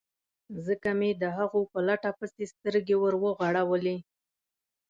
ځکه مې د هغوی په لټه پسې سترګې ور وغړولې.